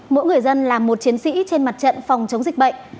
mỗi người dân là một chiến sĩ trên mặt trận phòng chống dịch bệnh